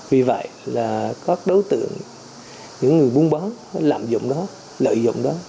vì vậy là các đối tượng những người buôn bán lạm dụng đó lợi dụng đó